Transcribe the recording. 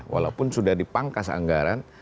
walaupun sudah dipangkas anggaran